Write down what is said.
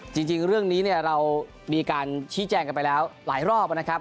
จริงเรื่องนี้เนี่ยเรามีการชี้แจงกันไปแล้วหลายรอบนะครับ